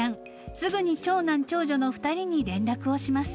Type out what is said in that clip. すぐに長男長女の２人に連絡をします］